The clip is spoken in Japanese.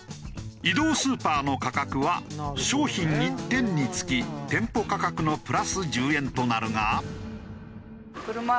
移動スーパーの価格は商品１点につき店舗価格のプラス１０円となるが。